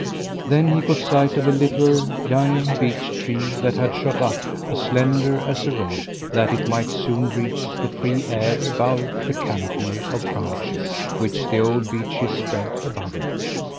Then he caught sight of a little, young beech tree that had shot up as slender as a rod, that it might soon reach the free air above the canopy of branches which the old beeches spread above it.